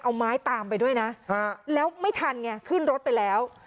เอาไม้ตามไปด้วยนะแล้วไม่ทันไงขึ้นรถไปแล้ว